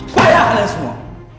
bayangkan kalian semua